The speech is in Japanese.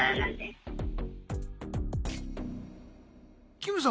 キムさん